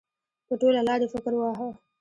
په ټوله لار یې فکر واهه.